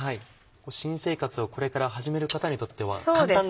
新生活をこれから始める方にとっては簡単で。